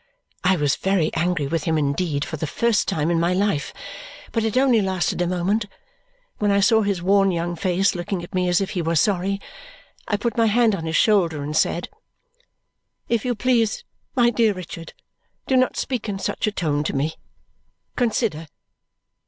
I was very angry with him indeed, for the first time in my life, but it only lasted a moment. When I saw his worn young face looking at me as if he were sorry, I put my hand on his shoulder and said, "If you please, my dear Richard, do not speak in such a tone to me. Consider!"